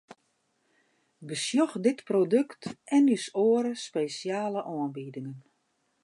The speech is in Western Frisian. Besjoch dit produkt en ús oare spesjale oanbiedingen!